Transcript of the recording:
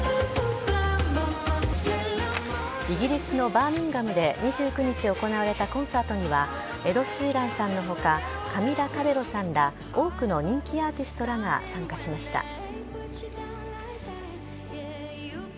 イギリスのバーミンガムで２９日行われたコンサートには、エド・シーランさんのほか、カミラ・カベロさんら多くの人気アーティストらが参加しました。